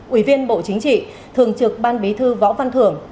ủy viên bộ chính trị thường trực ban bí thư võ văn thưởng